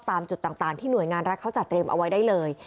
ตามจุดต่างที่หน่วยงานรัฐเขาจัดเตรียมเอาไว้ได้เลย